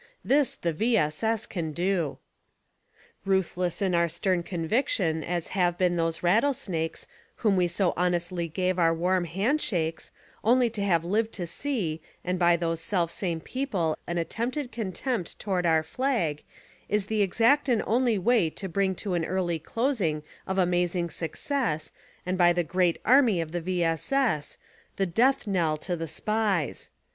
This the V. S. S. can do. Ruthless in our stern conviction as have been those rattle snakes "whom we so honestly gave our warm hand shakes, only to have lived to see, and by those self same people an attempted contempt toward our flag, is the exact and only way to bring to an early closing of amazing success and by the great army of the V. S. S." — the death knell to SPIES.